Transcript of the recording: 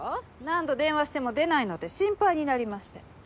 何度電話しても出ないので心配になりまして。